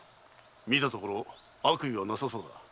見たところ悪意はなさそうだ。